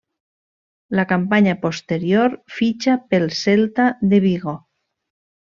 La campanya posterior fitxa pel Celta de Vigo.